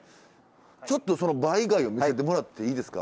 ちょっとそのバイ貝を見せてもらっていいですか？